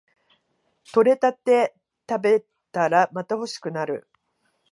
採れたて食べたらまた欲しくなる